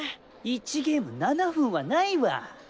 １ゲーム７分はないわ。